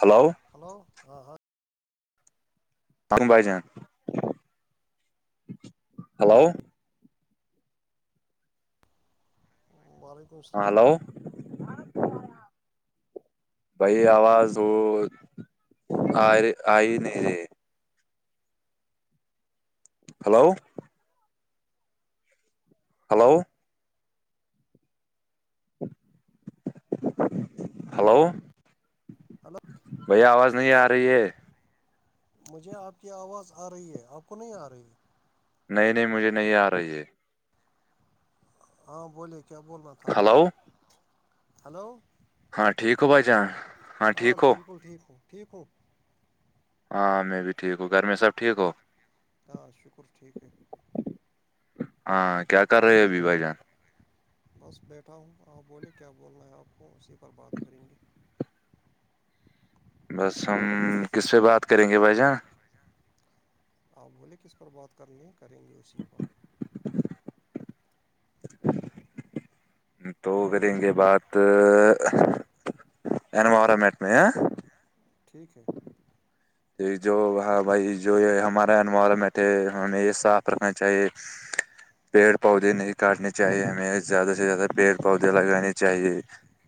hello hello ہاں ہاں hello ب ہاں ہلو بھائی آواز وہ آ آئی آیی نہیں رہے ہلو ہلو ہلو ہلو بھائی آواز نہیں آ رہی ہے مجھے آپ کی آواز آ رہی ہے آپ کو نہیں آ رہی نہیں نہیں مجھے نہیں آ رہی ہے ہاں بولیے کیا بولنا تھا آپ کو ہلو ہلو ہاں ٹھیک ہو بھائی جان ہاں ٹھیک ہو ٹھیک ہوں ٹھیک ہو ہاں میں بھی ٹھیک ہوں گھر میں سب ٹھیک ہو ہاں شکر ٹھیک ہے ہاں کیا کر رہے ہو ابھی بھائی جان بس بیٹھا ہوں آپ بولے کیا بولنا ہے آپ کو اسی پر بات کریں گے بس ہم کس سے بات کریں گے بھائی جان آپ بولے کس پر بات کر ینگے کریں گے اسی پر تو کریں گے بات انوریمیٹ پہ ٹھیک ہے یہ جو ہاں بھائی جو یہ ہمارا انوائرمنٹ ہے ہمیں اس صاف رکھنا چاہیے پیڑ پودے نہیں کاٹنے چاہیے ہمیں زیادہ سے زیادہ پیڑ پودے لگانے چاہیے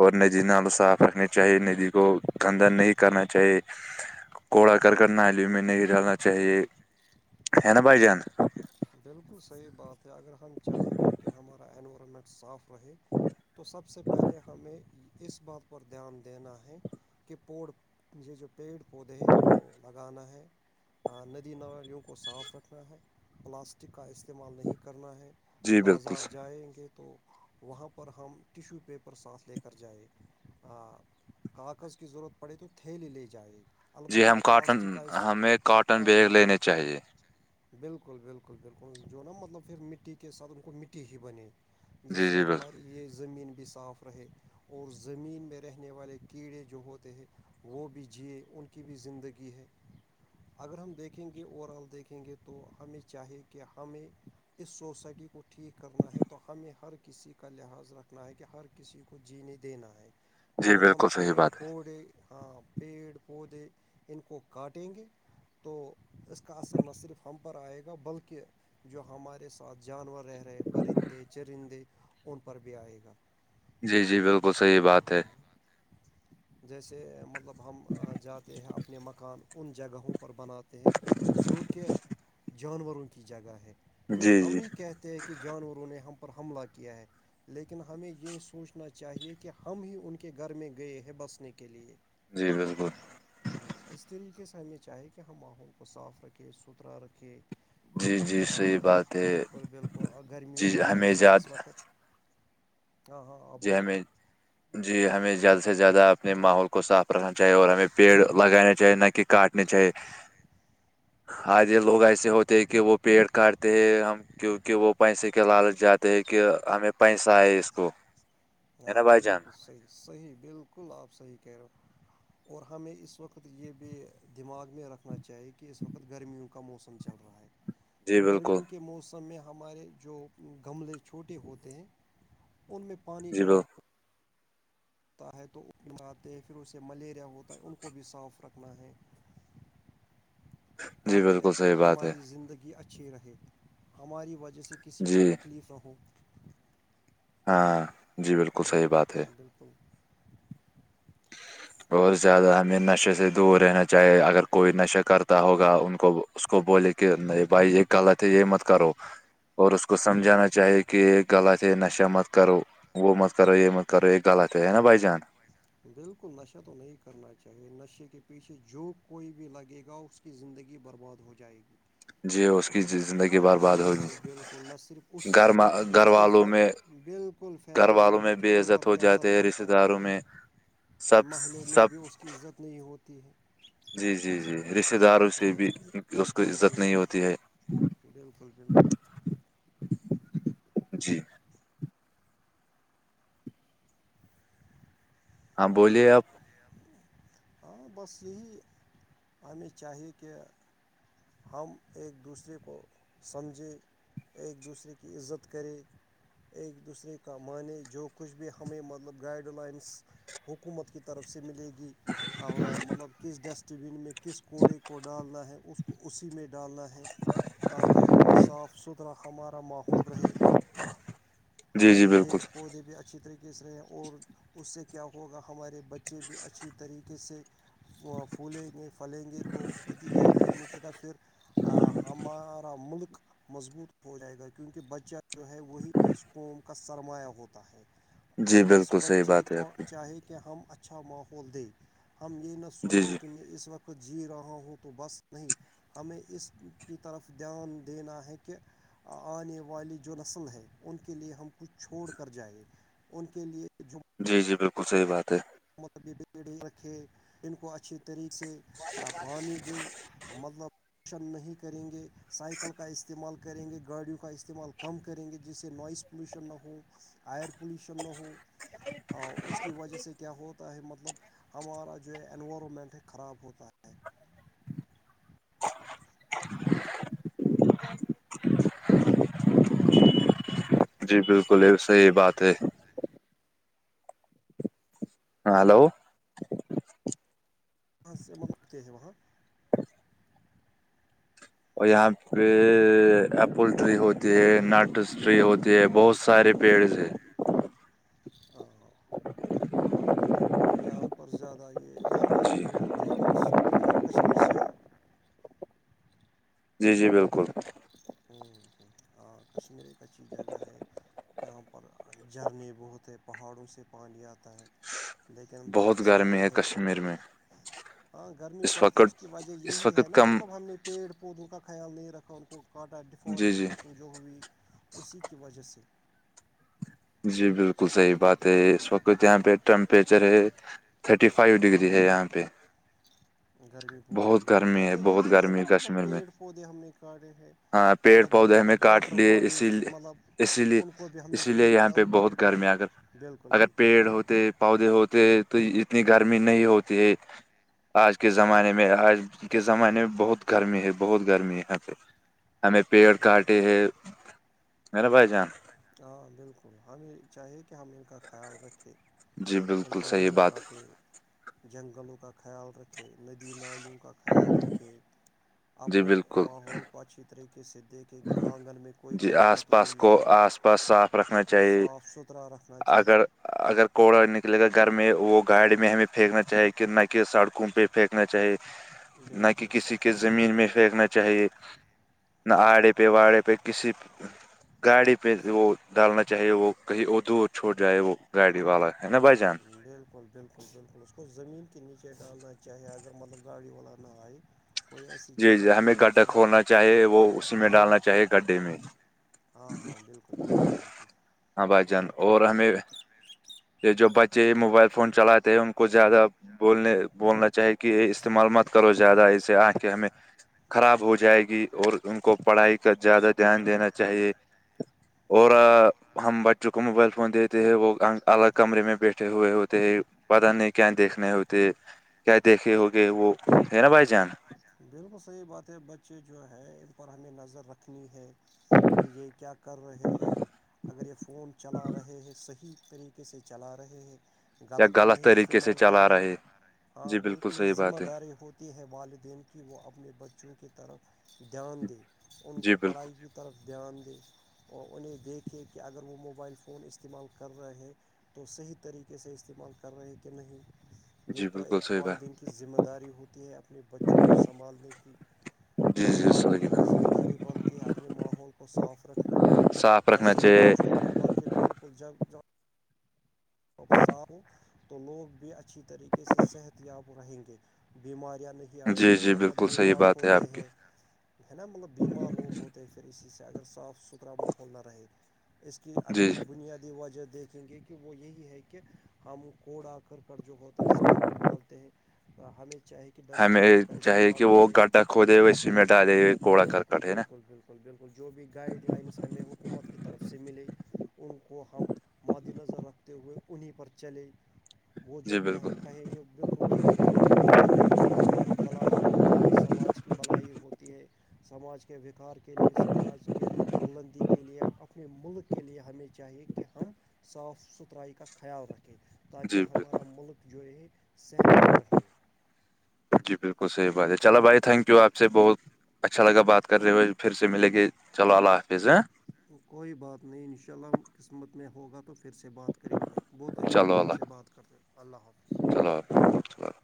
اور ندی نال صاف رکھنی چاہیے ندی کو گندا نہیں کرنا چاہیے کوڑا کرکٹ نالیوں میں نہیں ڈالنا چاہیے ہے نا بھایی جان بالکل صحیح بات ہے اگر ہم چاہیں گے کہ ہمارا انوائارمنٹ صاف رہے تو سب سے پہلے ہمیں اس بات پر دھیان دینا ہے کہ پوڑجے جو پیڑ پودے ہیں ان کو لگانا ہے ہاں ندی نالیوں کو صاف رکھنا ہے پلاسٹک کا استعمال نہیں کرنا ہے جی بالکل بازار جائیں گے تو وہاں پر ہم ٹیشو پیپر ساتھ لے کر جایے کاغذ کی ضرورت پڑے تو تھیلی لے جائے جی البتہ ہم کاٹن پلاسٹک کا اس ہمیں کاٹن ہاں بیگ لینے چاہیے بلکل بلکل بلکل جو نا مطلب پھر مٹی کے ساتھ ان کو مٹی ہی بنے جس جی سے جی بالکل ہماری یہ زمین بھی صاف رہے اور زمین میں رہنے والے کیڑے جو ہوتے ہیں وہ بھی جیے ان کی بھی زندگی ہے اگر ہم دیکھیں گے اوور آل دیکھیں گے تو ہمیں چاہیے کہ ہمیں اس سوسائٹی کو ٹھیک کرنا ہے تو ہمیں ہر کسی کا لحاظ رکھنا ہے کہ ہر کسی کو جینے دینا ہے جی اگر ہم بالکل صحیح پیڑ بات ہے پوڈے ہاں پیڑ پودے ان کو کاٹیں گے تو اس کا اثر نہ صرف ہم پر آئے گا بلکہ جو ہمارے ساتھ جانور رہ رہے پرندے چرندے ان پر بھی آئے گا جی جی بالکل صحیح بات ہے جیسے مطلب ہم جاتے ہیں اپنے مکان ان جگہوں پر بناتے ہیں جو کہ جانوروں کی جگہ ہے پھر جی ہم جی ہی کہتے ہیں کہ جانوروں نے ہم پر حملہ کیا ہے لیکن ہمیں یہ سوچنا چاہیے کہ ہم ہی ان کے گھر میں گئے ہیں بسنے کے لیے جی بالکل اس طریقے سے ہمیں چاہے کہ ہم ماحول کو صاف رکھیں ستھرا رکھیں جی جی ہاں صحیح بات ہے بالکل بالکل گرمیوں جی کا ہمیں موسم اس زیادہ وقت ہاں ہاں آپ جی بولیے ہمیں جی ہمیں زیادہ سے زیادہ اپنے ماحول کو صاف رکھنا چاہیے اور ہمیں پیڑ لگانا چاہیے نہ کہ کاٹنے چاہیے آدے لوگ ایسے ہوتے ہیں کہ وہ پیڑ کاٹتے ہیں ہم کیونکہ وہ پیسے کے لالچ جاتے کہ ہمیں پیسہ ہے اس کو ہے نا ہاں بھائی جان بالکل صحیح صحیح بالکل آپ صحیح کہہ رہے ہو اور ہمیں اس وقت یہ بھی دماغ میں رکھنا چاہیے کہ اس وقت گرمیوں کا موسم م چل رہا ہے جی تو بالکل گرمیوں کے موسم میں ہمارے جو گملے چھوٹے ہوتے ہیں ان میں پانی جی جمع بالکل ہو ہوتا ہے توماتے ہیں پھر اسے ملیریا ہوتا ہے ان کو بھی صاف رکھنا ہے [inaudible] جی تاکہ بالکل صحیح بات ہے ہماری زندگی اچھی رہے ہماری وجہ جیسے کسی کو جی تکلیف رہو ہاں جی بالکل صحیح بات ہے تو اور زیادہ ہمیں نشے سے دور رہنا چاہیے اگر کوئی نشے کرتا ہوگا ان کو اس کو بولے کہ نہیں بھائی یہ غلط ہے یہ مت کرو اور اس کو سمجھانا چاہیے کہ کہ یہ غلط ہے نشہ مت کرو وہ مت کرو یہ مت کرو یہ غلط ہے نا بھائی جان بالکل نشہ تو نہیں کرنا چاہیے نشے کے پیچھے جو کوئی بھی لگے گا اس کی زندگی برباد ہو جائے گی جی اس کی زندگی برباد بالکل ہوگی بالکل نہ صرف اس کی گھر بلکہ جو گھر اس کے ف والوں میں بالکل گھر فیملی والوں میں ممبر جو ہے بے ان عزت پر ہو بھی اثر جاتے ہیں رشتے پڑتا ہے داروں میں سب محلے میں سب بھی اس کی عزت نہیں ہوتی ہے جی جی جی رشتہ داروں سے تو بھی اس کو عزت نہیں بالکل ہوتی ہے بالکل بالکل جی [unintelligible] ہاں بولیے آپ ہاں بس یہی ہمیں چاہیے کہ ہم ایک دوسرے کو سمجھے ایک دوسرے کی عزت کریں ایک دوسرے کا معنی جو کچھ بھی ہمیں مطلب گائیڈ لائنس حکومت کی طرف سے ملے گی مطلب کس ڈسٹ بین میں کس کوڑے کو ڈالنا ہے اس کو اسی میں ڈالنا ہے تاکہ صاف ستھرا ہمارا ماحول رہے جی جی ہماری پیڑ بالکل پودے بھی اچھی طریقے سے رہیں اور اس سے کیا ہوگا ہمارے بچے بھی اچھی طریقے کس سے پھولیں گے پھلیں گے تو نتیجہ یہ نیچے کاا پھر ہمارا ملک مضبوط ہو جائے گا کیونکہ بچہ جو ہے وہی اس قوم کا سرمایہ ہوتا ہے جی اس بالکل صحیح بچے بات ہے کو آپ کی چاہے کہ ہم اھ اچھا ماحول دے ہم یہ نہ جی سوچیں جی کہ میں اس وقت جی رہا ہوں تو بس نہیں ہمیں اس کی طرف دھیان دینا ہے کہ آنے والی جو نسل ہے ان کے لیے ہم کچھ چھوڑ کر جائیں ان کے لیے جی جی بالکل صحیح بات ہے مغبی پیڑ رکھے ان کو اچھی طریق سے پانی دے مطلب روشن نہیں کریں گے سائیکل کا استعمال کر کریں گے گاڑیوں کا استعمال کم کریں گے جس سے نوائز پلیوشن نہ ہو آئر پلیوشن نہ ہو اس کی وجہ سے کیا ہوتا ہے مطلب ہمارا جو ہے انوائرمنٹ ہے خراب ہوتا ہے [unintelligible] جی بالکل ایک صحی وہاں بات ہے ہاں ہلو ہاں م متے ہے وہاں اور یہاں پہ ایپل ٹری ہوتی ہے نٹس ٹری ہوتی ہے بہت سارے پیڑ سے ہاں یہاں پر زیادہ یہ یہاں بھی اپرو جی ہوتا ت لاکھ سوتےے آپ کشمیر سے ہو جی جی بالکل ہ ہاں کشمیر ایک اچھی جگہ ہے یہاں اور جھرنے بہت ہیں پہاڑوں سے پانی آتا ہے تا ہے لیکن بہت بدقسمت گرمی یہ ہے کہ کشمیر میں ہاں گرمی پڑتی ہے اس کی وجہ اس یہی ہے وقت نا کم مطلب ہم نے پیڑ پودوں کا خیال نہیں رکھا ان کو کاٹا جی جی ڈفارسٹریشن جو ہوئی اسی کی وجہ سے جی بالکل صحیح بات ہے اس وقت یہاں پہ ٹیمپریچر ہے تھرٹی فائیو ڈگری ہے یہاں پہ گرمی بہت ہوئی ہے گرمی وجہ بہت یہی ہے گرمی نا مطلب کشمیر میں پیڑ پودے ہم نے کاٹے ہیں ہاں پیڑ مطلب جو پودے ہمیں مطلب کاٹ واٹر لیے اسی باڈیز تھی لیے مطلب اسی لیے انن کو بھی ہم نے اسی فی لیے ک کی یہاں پہ ان پر بھی بہت گرمیاں اگر پانی بالکل بالکل اگر بالکل پودے پیڑ ہوتے پودے ہوتے ہیں تو اتنی گرمی نہیں ہوتی ہے ہے آج کے زمانے میں آج کے آج زمانے میں بہت گرمی ہے بہت گرمی ہے یہاں پہ ہمیں پیڑ کاٹے ہے میرا بھائی جان ہاں بالکل ہمیں چاہیے کہ ہم ان کا خیال رکھیں جی ان بالکل کو صحیح نہیں بات پاتے جنگلوں کا خیال رکھے ندی نالیوں کا خیال رکھے ہے، جی اپنے بالکل ماحول کو اچھے طریقے سے دیکھے کہ آنگن میں کوئی جی کچرا آس تو پاس نہیں کو ہے آس پاس صاف رکھنا چاہیے سترا رکھنا اگر چاہیے اگر کوڑا نکلے گا گھر میں وہ گاڑی میں ہمیں پھینکنا چاہے کہ نہ کہ سڑکوں پہ پھینکنا چاہے نہ کہ بالکل کسی کے زمین میں پھینکنا چاہیے نہ آڑے پہ بالکل واڑے پہ کسی گاڑی پہ وہ ڈالنا چاہیے وہ کہیں اور دور چھوڑ جائے وہ گاڑی والا ہے نا بھائی جان بلکل بلکل بلکل اس کو زمین کے نیچے ڈالنا چاہے اگر مطلب گاڑی والا نہ آئے کوئی ایسی جی جگہ جی ہمیں دیکھنی گڈھا چاہے کھولنا چاہیے وہ اسی میں ڈالنا چاہیے بلکل گڈھے میں ہاں ہاں بلکل بلکل بلکل ہاں بھائی جان ٹھیک کہہ اور رہے ہمیں ہو یہ جو بچے موبائل فون چلاتے ہیں ان کو زیادہ بولنے بولنا چاہے کہ استعمال مت کرو زیادہ اسے آنکھے ہمیں خراب ہو جائے گی اور ان کو پڑھائی کا زیادہ دھیان دینا چاہیے اور [unintelligible] ہم بچوں کو موبائل فون دیتے ہیں وہ الگ کمرے میں بیٹھے ہوئے ہوتے ہے پتا نہیں کیا دیکھنے ہوتے کیا دیکھے ہوگے وہ ہے نا بھائی جان بلکل صحیح بات ہے بچے جو ہے ان پر ہمیں نظر رکھنی ہے کہ یہ کیا کر رہے ہیں اگر یہ فون چلا رہے ہیں صحیح طریقے سے چلا رہے ہیں یا غلط تو نہیں طریقے سے استعمال کر چلا رہے ہیں ہاں جی بالکل بلکل یہ صحیح ذمہ بات ہے داری ہوتی ہیں والدین کی کہ وہ اپنے بچوں کی طرف دھیان دے ان جی کی بالکل پڑھائی کی طرف دھیان دے اور انہیں دیکھے کہ اگر وہ موبائل فون استعمال کر رہے ہیں تو صحیح طریقے سے استعمال کر رہے ہیں کہ نہیں یہ جی تو بالکل ایک صحیح بات والدین کی ذمہ داری ہوتی ہے اپنے بچوں کو سنبھالنے کی جی تو جی آپ کی بھی صحیح ذمہ داری بنتی ہے اپنے ماحول کو صاف رکھنے کی صاف نہ رکھنا صرف چاہیے بچوں کے بل کہ بلکل جب جب [unintelligible] تو لوگ بھی اچھی طریقے سے صحت یاب رہیں گے بیماریاں نہیں آئے جی گی جی ورنہ بالکل صحیح بیمار بات ہے آپ ہوتے کی ہیں ہے نا مطلب بیمار لوگ ہوتے پھر اسی سے اگر صاف ستھرا ماحول نہ رہے اس کی اگر جی ہم بنیادی وجہ دیکھیں گے کہ وہ یہی ہے کہ ہم کوڑا کرکڑ جو ہوتے ہیں سڑک پر ڈالتے ہیں ہمیں چاہے کہ ڈسٹ ہمیں بین کا چاہیے استعمال کہ وہ کرے گڈھا کھودے ہوئے اسی میں ڈالے ہوئے بلکل کوڑا بلکل کرکٹ ہے نا بلکل بلکل بلکل جو بھی گائیڈ لائنس ہمیں حکومت کی طرف سے ملی ان کو ہم مدنظر رکھتے ہوئے انہیں پر چلے وہ جو جی بالکل کہیں گے بلکل وہی کرنا ہے کیونکہ اس میں ہماری بلائی ہوتی ہے سماج کی بلائی ہوتی ہے سماج وکار کے لئے سماج کی بلندی کے لیے اپنے ملک کے لیے ہمیں چاہیے کہ ہم صاف ستھرائی کا خیال رکھیں جی تاکہ بالکل ہمارا ملک جو ہے صحت مند رہے جی بلکل صحیح بات ہے چلو بھائی تھیک ہے آپ سے بہت اچھا لگا بات کرتے ہوئے پھر سے ملے گے چلو اللہ حافظ کوئی بات نہیں ان شاء اللہ قسمت میں ہوگا تو پھر سے بات کریں گے بہت اچھا چلو رہا آپ سے اللہ بات کرکے اللہ حافظ [inaudible]